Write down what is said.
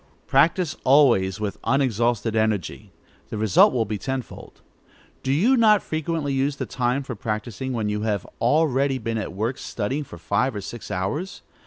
Practise always with unexhausted energy: the result will be tenfold. Do you not frequently use the time for practising, when you have already been at work studying for five or six hours?